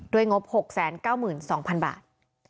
โดยงบ๖๙๒๐๐๐บาท